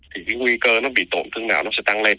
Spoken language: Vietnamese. thì cái nguy cơ nó bị tổn thương nào nó sẽ tăng lên